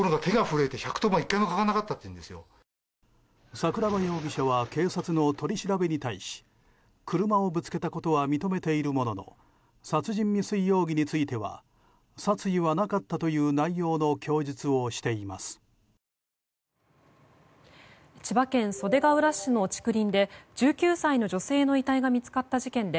桜庭容疑者は警察の取り調べに対し車をぶつけたことは認めているものの殺人事件未遂容疑については殺意はなかったという内容の供述をしています。